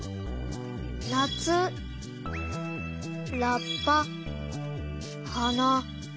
なつラッパはな。